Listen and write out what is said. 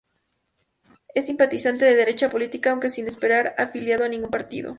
Es simpatizante de derecha política, aunque sin estar afiliado a ningún partido.